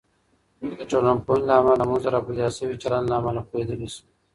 د ټولنپوهنې له امله، موږ د راپیدا شوي چلند له امله پوهیدلی شو.